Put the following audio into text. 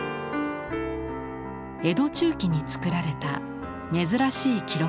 江戸中期に作られた珍しい記録があります。